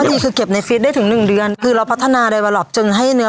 ซ้อนได้เลยใช่ไหม